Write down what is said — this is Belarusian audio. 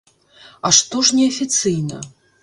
А што ж не афіцыйна?